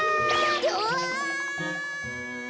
うわ！